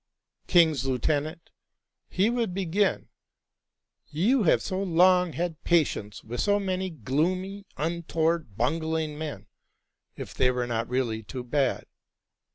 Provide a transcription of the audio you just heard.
"''¢¢ King's lieutenant,' he would begin, ' you have so long had patience with so many gloomy, untoward, bungling men, if they were not really too bad.